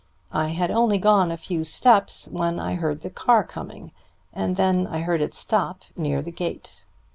I had only gone a few steps when I heard the car coming, and then I heard it stop near the gate.